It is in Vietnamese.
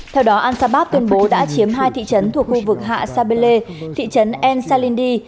theo đó al sabab tuyên bố đã chiếm hai thị trấn thuộc khu vực hạ sabele thị trấn en salindi